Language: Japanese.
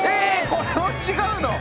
これも違うの⁉